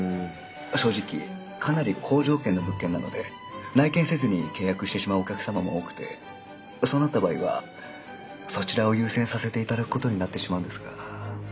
正直かなり好条件の物件なので内見せずに契約してしまうお客様も多くてそうなった場合はそちらを優先させていただくことになってしまうんですが。